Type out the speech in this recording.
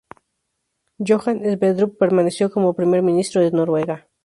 Johan Sverdrup permaneció como Primer ministro de Noruega.